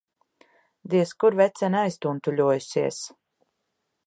Diez kur vecene aiztuntuļojusies.